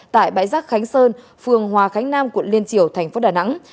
tại bãi rác khánh sơn phường hòa khánh nam quận liên triều thành phố đà nẵng